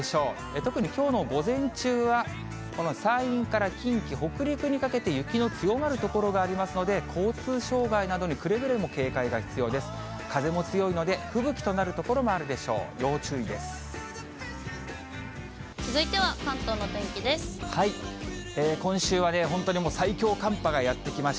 特にきょうの午前中は、この山陰から近畿、北陸にかけて雪の強まる所がありますので、交通障害などにくれぐれも警戒が必要です。